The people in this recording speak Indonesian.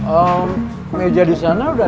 om meja di sana udah ada yang riset belum